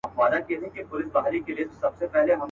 چي په بل وطن کي اوسي نن به وي سبا به نه وي.